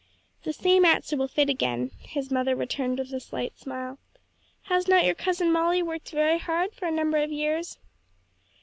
"The same answer will fit again," his mother returned with a slight smile. "Has not your Cousin Molly worked very hard for a number of years?"